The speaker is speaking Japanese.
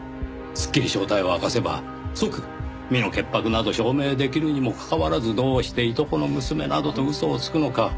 すっきり正体を明かせば即身の潔白など証明できるにもかかわらずどうしていとこの娘などと嘘をつくのか。